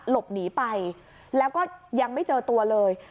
หลบหนีไปแล้วก็ยังไม่เจอตัวเลย